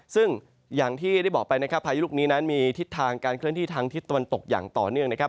ซึ่งอย่างที่ได้บอกไปนะครับพายุลูกนี้นั้นมีทิศทางการเคลื่อนที่ทางทิศตะวันตกอย่างต่อเนื่องนะครับ